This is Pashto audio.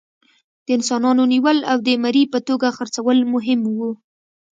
د انسانانو نیول او د مري په توګه خرڅول مهم وو.